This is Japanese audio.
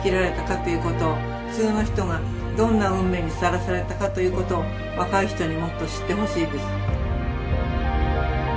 普通の人がどんな運命にさらされたかということを若い人にもっと知ってほしいです。